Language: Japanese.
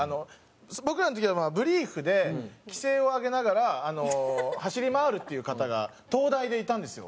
僕らの時はまあブリーフで奇声を上げながら走り回るっていう方が東大でいたんですよ。